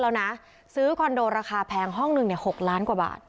แล้วนะซื้อคอนโดราคาแพงห้องหนึ่ง๖ล้านกว่าบาท